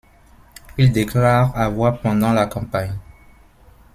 Il déclare avoir pendant la campagne.